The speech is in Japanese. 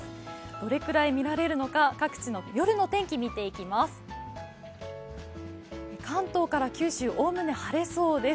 どれくらい見られるのか、各地の夜の天気を見ていきます。